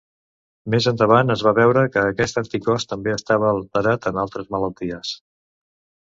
Més endavant es va veure que aquest anticòs també estava alterat en altres malalties.